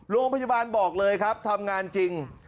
โรงพยาบาลบอกเลยครับทำงานจริง